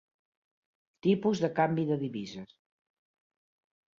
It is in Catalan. Tipus de canvi de divises.